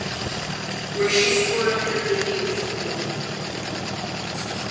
Where she scored on her debut from open play.